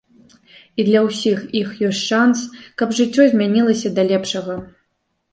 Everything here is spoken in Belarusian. І для ўсіх іх ёсць шанс, каб жыццё змянілася да лепшага.